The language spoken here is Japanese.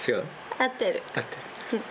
合ってる。